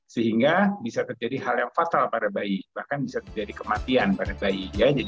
sehingga bisa terjadi hal yang fatal pada bayi bahkan bisa terjadi kematian pada bayi